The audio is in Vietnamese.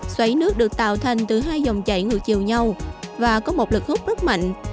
xoáy nước được tạo thành từ hai dòng chạy ngược chiều nhau và có một lực hút rất mạnh